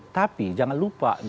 tapi jangan lupa